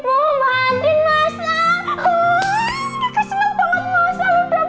wah kekak senang banget masang udah pulang